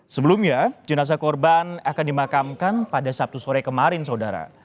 sebelumnya jenazah korban akan dimakamkan pada sabtu sore kemarin saudara